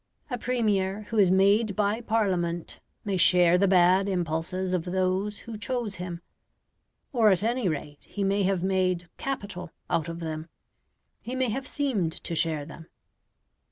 A Premier who is made by Parliament may share the bad impulses of those who chose him; or, at any rate, he may have made "capital" out of them he may have seemed to share them.